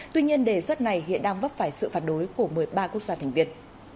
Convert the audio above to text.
tuy nhiên đề xuất này hiện đang vấp phải sự phản đối của một mươi ba quốc gia thành viên